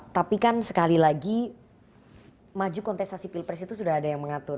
tapi kan sekali lagi maju kontestasi pilpres itu sudah ada yang mengatur